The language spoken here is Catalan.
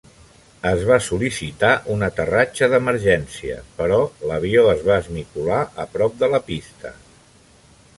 Es va sol·licitar un aterratge d'emergència, però l'avió es va esmicolar a prop de la pista.